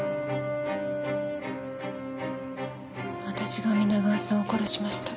私が皆川さんを殺しました。